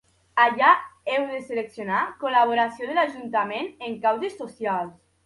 Allà heu de seleccionar "col·laboració de l'ajuntament en causes socials".